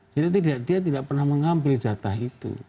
jadi dia tidak pernah mengambil jatah itu